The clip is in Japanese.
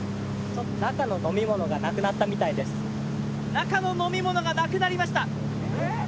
中の飲み物がなくなりました。